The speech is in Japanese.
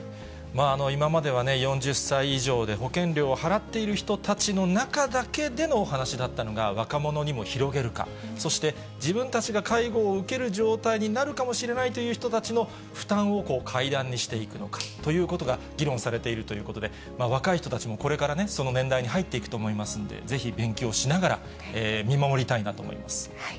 今まではね、４０歳以上で、保険料を払っている人たちの中だけでのお話だったのが、若者にも広げるか、そして自分たちが介護を受ける状態になるかもしれないという人たちの負担を階段にしていくのかということが議論されているということで、若い人たちもこれからね、その年代に入っていくと思いますんで、ぜひ、勉強しながら、見守りたいなと思います。